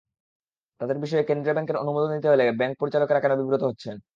তাঁদের বিষয়ে কেন্দ্রীয় ব্যাংকের অনুমোদন নিতে হলে ব্যাংক পরিচালকেরা কেন বিব্রত হচ্ছেন।